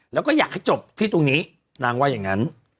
แล้วก็อยากให้จบที่ตรงนี้นางว่าอย่างนั้น